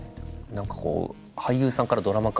何かこう俳優さんからドラマ化